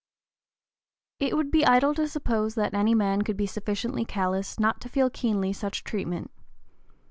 It would be idle to suppose that any man could be sufficiently callous not to feel keenly such treatment.